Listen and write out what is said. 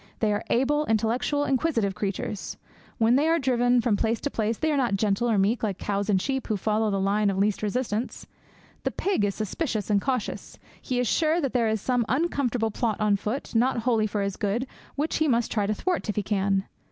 They are able, intellectual, inquisitive creatures. When they are driven from place to place, they are not gentle or meek, like cows and sheep, who follow the line of least resistance. The pig is suspicious and cautious; he is sure that there is some uncomfortable plot on foot, not wholly for his good, which he must try to thwart if he can.